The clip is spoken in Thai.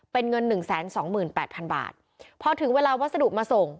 เป็นเงินหนึ่งแสนสองหมื่นแปดพันบาทพอถึงเวลาวัสดุมาส่ง